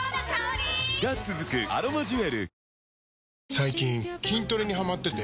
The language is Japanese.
最近筋トレにハマってて。